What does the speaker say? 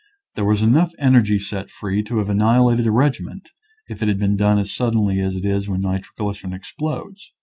There was enough energy set free to have annihilated a regiment, if it had been done as suddenly as it is when nitro glycerin explodes.